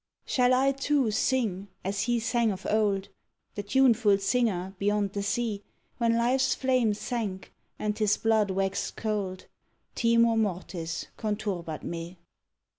_) Shall I too sing, as he sang of old, The tuneful singer beyond the sea, When life's flame sank and his blood waxed cold, Timor mortis conturbat me.